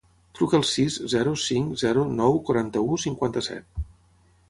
Truca al sis, zero, cinc, zero, nou, quaranta-u, cinquanta-set.